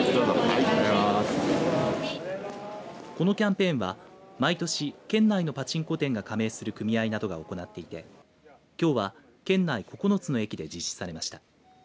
このキャンペーンは毎年、県内のパチンコ店が加盟する組合などが行っていてきょうは県内９つの駅で実施されました。